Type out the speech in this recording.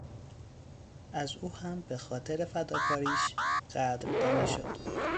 از او هم به خاطر فداکاریش قدردانی شد.